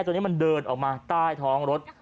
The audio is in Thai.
ตัวนี้มันเดินออกมาใต้ท้องรถ